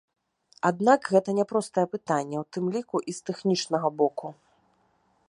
Аднак гэта няпростае пытанне, у тым ліку і з тэхнічнага боку.